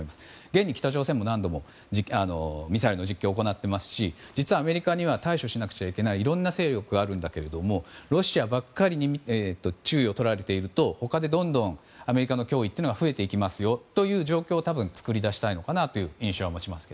現に北朝鮮も何度もミサイル実験を行っていますし実はアメリカには対処しなくちゃいけないいろんな勢力があるんだけどもロシアばっかりに注意をとられていると他でどんどん、アメリカの脅威は増えていきますよという状況を多分作り出したいのかなという印象を持ちます。